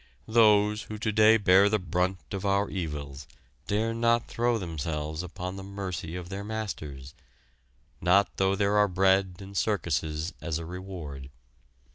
Those who to day bear the brunt of our evils dare not throw themselves upon the mercy of their masters, not though there are bread and circuses as a reward.